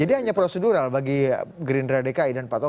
jadi hanya prosedural bagi gerindra dki dan pak tovik